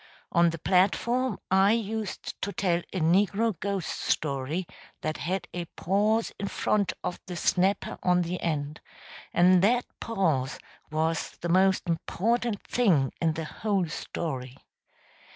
On the platform I used to tell a negro ghost story that had a pause in front of the snapper on the end, and that pause was the most important thing in the whole story.